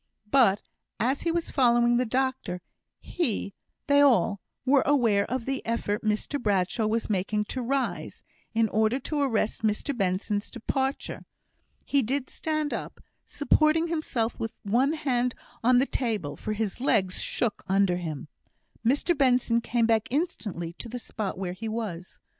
But as he was following the doctor, he they all were aware of the effort Mr Bradshaw was making to rise, in order to arrest Mr Benson's departure. He did stand up, supporting himself with one hand on the table, for his legs shook under him. Mr Benson came back instantly to the spot where he was.